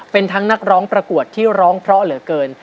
เป็นทั้งนักร้องประกวดที่ร้องเพราะเหลือเกิน